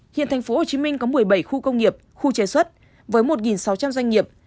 hiện tp hcm có một mươi bảy khu công nghiệp khu chế xuất với một sáu trăm linh doanh nghiệp